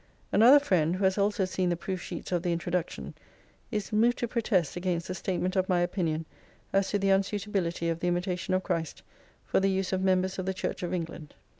Another friend, who has also seen the proof sheets of the Introduction, is moved to protest against the statement of my opinion as to the unsuitability of " The Imitation of Christ" for the use of members of the Church of England.